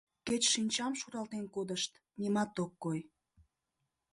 Кеч шинчам шуралтен кодышт нимат ок кой.